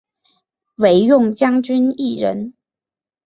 惟用将军一人。